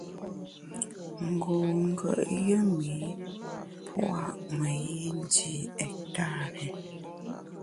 Ngu ngùet yùm ’i pua’ meyi ndi ektari.